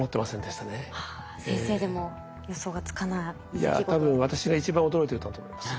いや多分私が一番驚いてたと思います。